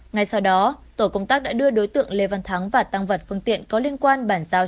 ngay sau đó tổ công tác đã đưa đối tượng lê văn thắng và tăng vật phương tiện có liên quan bàn giao